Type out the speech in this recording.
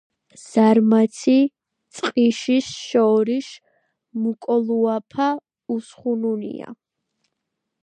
ზარმაცი ჭყიშის შორიშ მუკოლუაფა უსხუნუნია